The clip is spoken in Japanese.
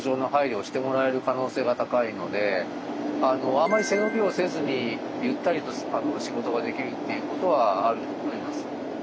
あまり背伸びをせずにゆったりと仕事ができるっていうことはあると思います。